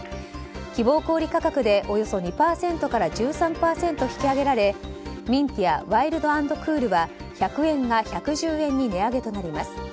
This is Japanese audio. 希望小売価格でおよそ２％から１３％引き上げられミンティアワイルド＆クールは１００円が１１０円に値上げとなります。